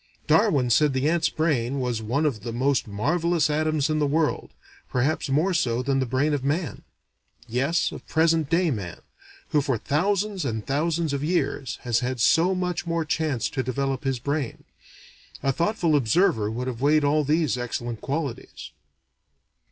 Darwin said the ant's brain was "one of the most marvelous atoms in the world, perhaps more so than the brain of man" yes, of present day man, who for thousands and thousands of years has had so much more chance to develop his brain.... A thoughtful observer would have weighed all these excellent qualities.